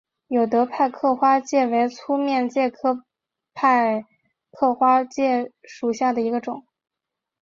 有德派克花介为粗面介科派克花介属下的一个种。